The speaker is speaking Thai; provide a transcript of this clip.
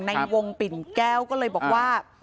ในวงปิ่นแก้วก็เลยบอกว่า